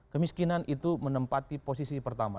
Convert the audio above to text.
kemiskinan itu menempati posisi pertama